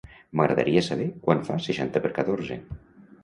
M'agradaria saber quant fa seixanta per catorze.